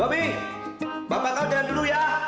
bobby bapak kau jalan dulu ya